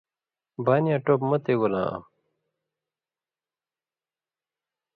بانیاں ٹوپہۡ مہ تے گولاں آم